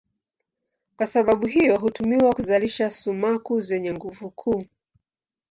Kwa sababu hiyo hutumiwa kuzalisha sumaku zenye nguvu kuu.